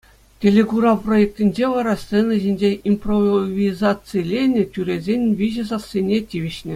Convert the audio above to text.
Телекурав проектӗнче вара сцена ҫинче импровизациленӗ, тӳресен виҫӗ сассине тивӗҫнӗ.